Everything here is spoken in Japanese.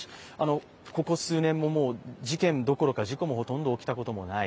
ここ数年も事件どころか、事故もほとんど起きたことがない。